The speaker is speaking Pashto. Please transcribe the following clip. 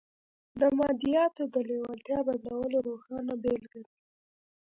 دا د مادیاتو د لېوالتیا بدلولو روښانه بېلګه ده